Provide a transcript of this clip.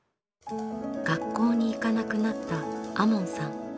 学校に行かなくなった亞門さん。